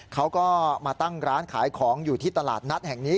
เขาก็มาตั้งร้านขายของอยู่ที่ตลาดนัดแห่งนี้